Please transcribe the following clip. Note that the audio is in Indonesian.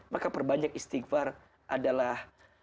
maka perbanyak istighfar adalah